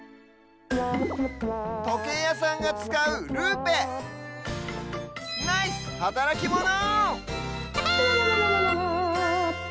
とけいやさんがつかうルーペナイスはたらきモノ！